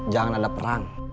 jangan ada perang